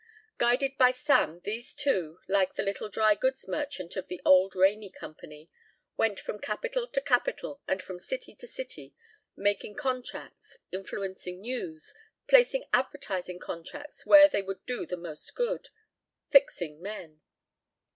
Guided by Sam these two, like the little drygoods merchant of the old Rainey Company, went from capital to capital and from city to city making contracts, influencing news, placing advertising contracts where they would do the most good, fixing men.